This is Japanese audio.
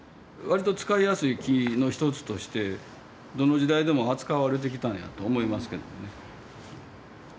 わりと使いやすい木の一つとしてどの時代でも扱われてきたんやと思いますけどね。